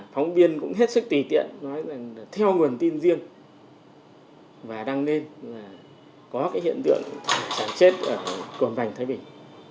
phóng viên cũng hết sức tùy tiện nói là theo nguồn tin riêng và đăng lên là có cái hiện tượng chết ở cồn vành thái bình